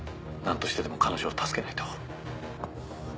何としてでも彼女を助けないと。